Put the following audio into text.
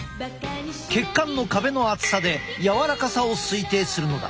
血管の壁の厚さで柔らかさを推定するのだ。